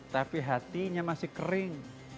tapi hatinya masih kering